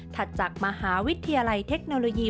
จากมหาวิทยาลัยเทคโนโลยี